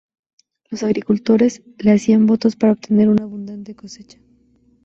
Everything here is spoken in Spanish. Los agricultores le hacían votos para obtener una abundante cosecha.